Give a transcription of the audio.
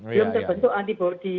belum terbentuk anti bodi